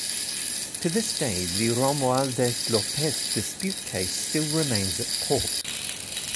To this day The Romualdez-Lopez Dispute case still remains at court.